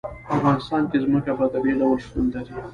په افغانستان کې ځمکه په طبیعي ډول شتون لري.